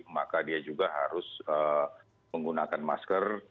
maka dia juga harus menggunakan masker